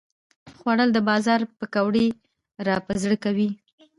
خوړل د بازار پکوړې راپه زړه کوي